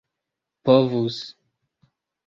povus